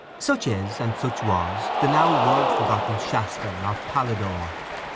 Such is, and such was, the now world forgotten Shaston or Palladour.